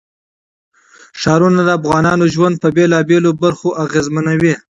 ښارونه د افغانانو ژوند په بېلابېلو برخو اغېزمنوي.